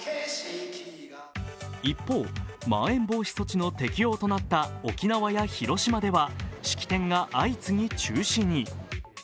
一方、まん延防止措置の適用となった沖縄や広島では式典が相次ぎ中止に。